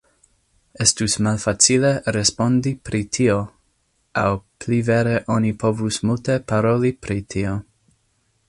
Estus malfacile respondi pri tio, aŭ pli vere oni povus multe paroli pri tio.